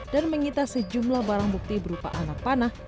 dan mengita sejumlah barang bukti berupa anak panah